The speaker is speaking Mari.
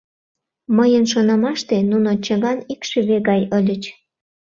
Мыйын шонымаште, нуно чыган икшыве гай ыльыч.